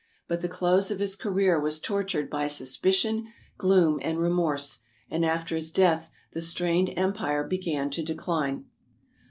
But the close of his career was tor tured by suspicion, gloom, and remorse, and after his death the strained empire began to decline.